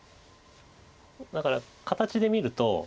だから形で見ると。